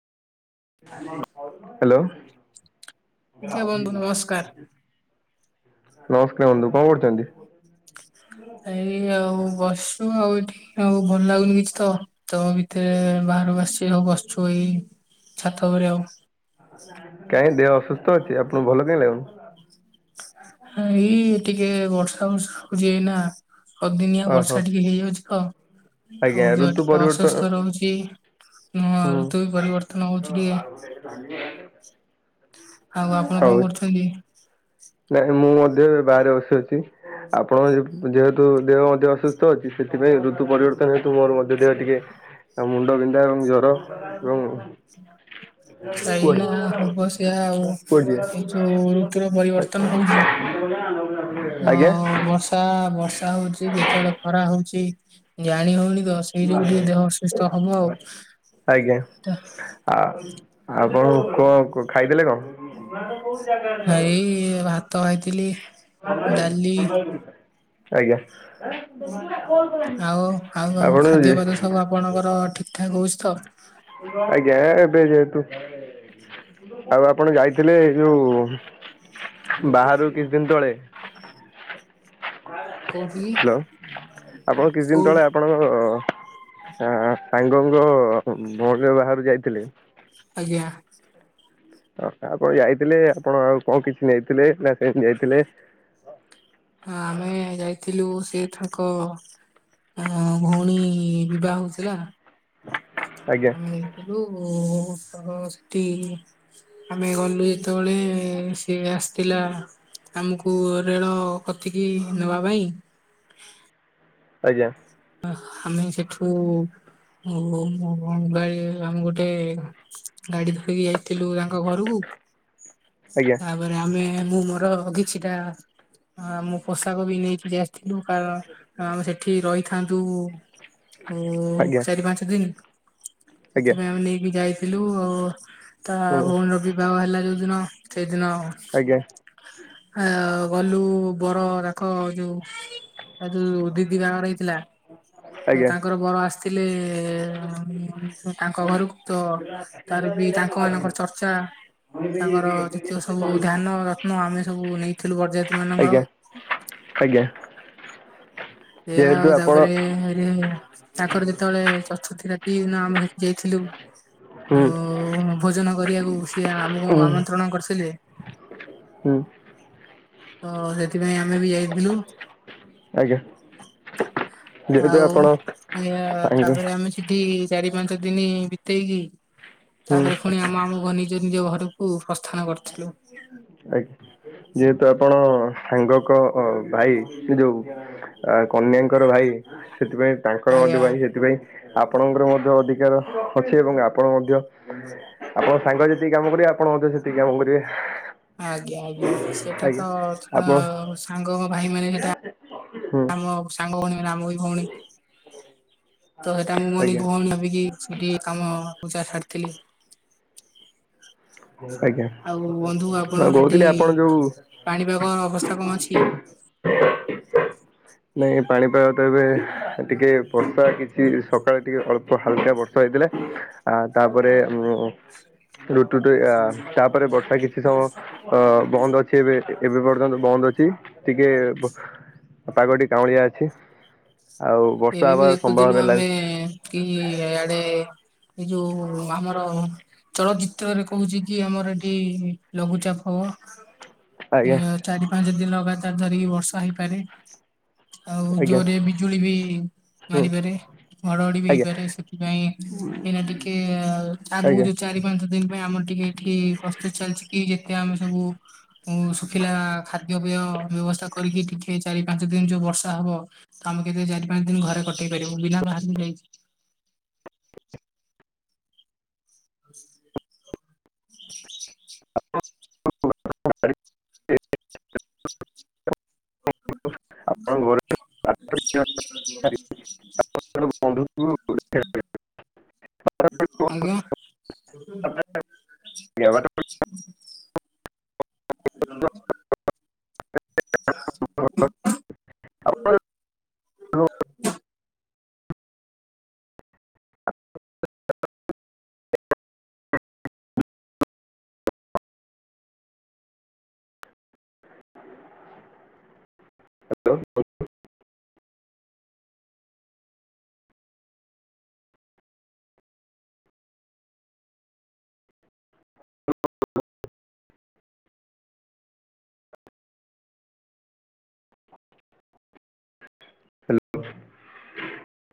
ଆଜ୍ଞା ବନ୍ଧୁ ନମସ୍କାର। ହ୍ୟାଲୋ ନମସ୍କାର ବନ୍ଧୁ କଣ କରୁଛନ୍ତି? ଏଇ ଆଉ ବସୁ ଆଉ ଏଠି ଆଉ ଭଲ ଲାଗୁନି କିଛି ତ ତ ଭିତରେ ବାହାରକୁ ଆସି ସଉ ବସିଛୁ ଏଇ ଛାତ ଉପରେ କାହିଁକି ଦେହ ଅସୁସ୍ଥ ଅଛି ଆପଣଙ୍କୁ ଭଲ କାହିଁ ଲାଗୁନି? ହଁ ଏଇ ଟିକେ ବର୍ଷା ବର୍ଷା ହଉଛି ଏଇନା ଅଦିନିଆ ଓହୋ ବର୍ଷା ଟିକେ ହେଇଯାଉଛି ତ ଆଜ୍ଞା ଆଉ ଦେହ ଋତୁ ଟିକେ ପରିବର୍ତ୍ତନ ଅସୁସ୍ଥ ରହୁଛି। ହଁ ହୁଁ ଋତୁ ବି ପରିବର୍ତ୍ତନ ହଉଛି ଟିକେ। [inaudible] ଆଉ ଆପଣ ହଉ। କଣ କରୁଛନ୍ତି? ନାଇଁ ମୁଁ ମଧ୍ୟ ଏବେ ବାହାରେ ବସିଅଛି। ଆପଣଙ୍କର ଯେହେତୁ ଯେହେତୁ ଦେହ ମଧ୍ୟ ଅସୁସ୍ଥ ଅଛି ସେଥିପାଇଁ ଋତୁ ପରିବର୍ତ୍ତନ ହେତୁ ମୋର ମଧ୍ୟ ଦେହ ଟିକେ ଆଉ ମୁଣ୍ଡ ବିିନ୍ଧା ଏବଂ ଜର ଏବଂ ଅଇଁଛା କୁଆଡେ ଏଇନା ହବ ସେଇଆ ଆଉ କୁଆଡେ ଯିବା? ଏଇ ଯୋଉ ଋତୁର ପରିବର୍ତ୍ତନ ହଉଛି [inaudible] ଆଉ। ହଁ ବର୍ଷ ତ ବର୍ଷା ହଉଛି କେତେବେଳେ ଖରା ହଉଛି ଜାଣି ହଉନି ତ ସେଇ ଯୋଗୁଁ ରୁ ଟିକେ ଦେହ ଅସୁସ୍ଥ ହବ ଆଉ। ଆଉ ଆପଣ କଣ କଁ ଖାଇଥିଲେ କଣ? ହେ ଏଇ ଭାତ ଖାଇଥିଲି। ଡାଲି ଆଜ୍ଞା। ଆଉ ଆଉ କଣ ଆଉ ସବୁ ଖାଦ୍ୟପେୟ ହଉଛି? ସବୁ ଆପଣଙ୍କର ଠିକ୍ ଠାକ୍ ହଉଛି ତ? ଆଜ୍ଞା ଏବେ ଯେହେତୁ [inaudible] ଆଉ ଆପଣ ଯାଇଥିଲେ ଏ ଯୋଉ ବାହାରକୁ କିଛି ଦିନ ତଳେ କୋଉଠିକି ହାଲୋ ଆପଣ କିଛି ଦିନ କୋଉ ତଳେ ଆପଣଙ୍କ ଆ ସାଙ୍ଗ ଙ୍କ ଭଉଣୀର ବାହାଘରକୁ ଯାଇଥିଲେ? ଆଜ୍ଞା। ତ ତାପରେ ଯାଇଥିଲେ ଆପଣ ଆଉ କଣ କିଛି ନେଇଥିଲେ ନା ସେମିତି ଯାଇଥିଲେ? ହଁ ଆମେ ଯାଇଥିଲୁ ସେ ତାଙ୍କ ଆ ଭଉଣୀ ବିବାହ ହଉଥିଲା। ଆଜ୍ଞା। ଆମେ ଯାଇଥିଲୁ ତ ସେଠି ଆମେ ଗଲୁ ଯେତେବେଳେ ସିଏ ଆସିଥିଲା। ଆମକୁ ରେଳ କତିକି ନେବା ପାଇଁ ଆଜ୍ଞା। ଆମେ ସେଠୁ [inaudible] ଗାଡି ଧରିକି ଆମେ ଗୋଟେ ଗାଡି ଧରିକି ଯାଇଥିଲୁ ତାଙ୍କ ଘରକୁ। ଆଜ୍ଞା। ତାପରେ ଆମେ ମୁଁ ମୋର କିଛିଟା ଆଁ ମୁଁ ପୋଷାକ ବି ନେଇଥିଲି ଆସି ଥିଲୁ ଆ କାରଣ ସେଠି ରହିଥାନ୍ତୁ ଆଉ ଆଜ୍ଞା ଚାରି ପାଞ୍ଚ ଦିନ ଆଜ୍ଞା ସେଥିପାଇଁ ଆମେ ନେଇକି ଯାଇ ଥିଲୁ ଆଉ ତା ହୁଁ ଭଉଣୀର ବିବାହ ହେଲା ଯୋଉ ଦିନ ସେଇଦିନ ଆଜ୍ଞା। ଆଉ ଗଲୁ ବର ଯାକ ଯୋଉ ଏ ଯୋଉ ଦିଦି ବାହାଘର ହେଇଥିଲା। ତ ଆଜ୍ଞା ତାଙ୍କର ବର ଆସିଥିଲେ ତାଙ୍କ ଘରକୁ ତ ତାର ବି ତାଙ୍କ ମାନଙ୍କର ଚର୍ଚ୍ଚା ତାଙ୍କର ଯେତିକ ସବୁ ଧାନ ନ ଆମେ ସବୁ ନେଇଥିଲୁ [unintelligible] ଆଜ୍ଞା ଆଜ୍ଞା। ଏଇଆ ଯେହେତୁ ଆଉ ଆପଣ ତାପରେ ହେରେ ତାଙ୍କର ଯେତବେଳେ ଚତୁର୍ଥୀ ରାତି ନ ଆମେ ସେଠି ଯାଇଥିଲୁ। ହୁଁ ଆଉ ଭୋଜନ କରିବାକୁ ସିଏ ଆମକୁ ହୁଁ ଆମନ୍ତ୍ରଣ କରିଥିଲେ। ହୁଁ। ତ ସେଥିପାଇଁ ଆମେ ବି ଯାଇଥିଲୁ। ଆଜ୍ଞା ଯେହେତୁ ଆଉ ଆପଣ ଏ ସାଙ୍ଗ ତାପରେ ଆମେ ସେଠି ଚାରି ପାଞ୍ଚ ଦିନ ବିତେଇକି ହୁଁ ତାପରେ ପୁଣି ଆମ ଆମ ଘନୀ ନିଜ ନିଜ ଘରକୁ ପ୍ରସ୍ଥାନ କରିଥିଲୁ। ଆ ଯେହେତୁ ଆପଣ ସାଙ୍ଗକ ଭାଇ ଯୋଉ ଆ କନ୍ୟାଙ୍କର ଭାଇ ସେଥିପାଇଁ ତାଙ୍କର ଆଜ୍ଞା। ମଧ୍ୟ ଭାଇ ସେଥିପାଇଁ ଆପଣଙ୍କର ମଧ୍ୟ ଅଧିକାର ଅଛି ଏବଂ ଆପଣ ମଧ୍ୟ ଆପଣ ସାଙ୍ଗ ଯେତିକି କାମ କରିବେ ଆପଣ ମଧ୍ୟ ସେତିକି କାମ କରିବେ। ଆଜ୍ଞା ଆଜ୍ଞା ସେଟା ଆଜ୍ଞା ତ ଆପଣ [unintelligible] ସାଙ୍ଗଙ୍କ ଭାଇ ମାନେ ସେଟା ହୁଁ। ଆମ ସାଙ୍ଗ ଭଉଣୀ ମାନେ ଆମ ବି ଭଉଣୀ ତ ସେଟା ମୁଁ ମନି ଆଜ୍ଞା ଭଉଣୀ ଭାବିକି ସେଠି କାମ ପୂଜା ଛାଡ଼ିଥିଲି। ଆଜ୍ଞା। ଆଉ ବନ୍ଧୁ ଆପଣ ମୁଁ ସେଠି କହୁଥିଲି ଆପଣ ଯୋଉ ପାଣିପାଗ ଅବସ୍ଥା କଣ ଅଛି? ନାହ ପାଣି ପାଗ ତ ଏବେ ଟିକେ ବର୍ଷା କିଛି ସକାଳେ ଟିକେ ଅଳ୍ପ ହାଲକା ବର୍ଷା ହେଇଥିଲା। ଆ ତାପରେ ଆମର ରୁଟୁତୁ ଆ ତାପରେ ବର୍ଷା କିଛି ସମୟ ଅ ବନ୍ଦ ଅଛି ଏବେ ଏବେ ପର୍ଯ୍ୟନ୍ତ ବନ୍ଦ ଅଛି ଟିକେ ପାାଗଟି କାଉଁଳିଆ ଅଛି ଆଉ ଏବେ ବର୍ଷା ବି ହେବା ଦେଖୁଥିଲୁ ସମ୍ଭବନା ଆମେ ହେଲାଣି। କି ଇଆଡେ ଏଇ ଯୋଉ ଆମର ଚଳଚିତ୍ରରେ କହୁଛି କି ଆମର ଏଠି ଲଘୁଚାପ ହବ। ଆଜ୍ଞା। ଏ ଚାରି ପାଞ୍ଚ ଦିନ ଲଗାତାର ଧରିକି ବର୍ଷା ହେଇପାରେ ଆଉ ଆଜ୍ଞା ଜୋରେ ବିଜୁଳି ବି ହୁଁ ମାରିିପାରେ। ଘଡଘଡି ବି ଆଜ୍ଞା ହେଇପାରେ ସେଥିପାଇଁ ଏଇନା ଟିକେ ଅ ଆଗକୁ ଆଜ୍ଞା ଯୋଉ ଚାରି ପାଞ୍ଚ ଦିନ ପାଇଁ ଆମର ଟିକେ ଏଠି ପ୍ରସ୍ତୁତ ଚାଲିଚି କି ଯେତେ ଆମେ ସବୁ ଶୁଖିଲା ଖା ଦ୍ୟ ପେୟ ବ୍ୟବସ୍ଥା କରିକି ଟିକେ ଚାରି ପାଞ୍ଚ ଦିନ ଯୋଉ ବର୍ଷା ହବ ତ ଆମେ କେତେ ଚାରି ପାଞ୍ଚ ଦିନ ଘରେ କଟେଇ ପାରିବୁ ବିନା ବାହାର କୁ ଯାଇକି। [inaudible] ହ। [inaudible] ଆପଣଙ୍କ ଘରେ [unintelligible] [unintelligible] ଆଜ୍ଞା। [unintelligible] ହାଲୋ। [unintelligible] ଆପଣ [inaudible] [unintelligible] ହ୍ୟାଲୋ।